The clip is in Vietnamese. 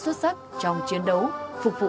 xuất sắc trong chiến đấu phục vụ